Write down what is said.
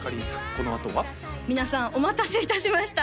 このあとは皆さんお待たせいたしました